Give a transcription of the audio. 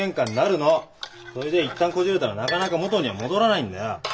それで一旦こじれたらなかなか元には戻らないんだよ。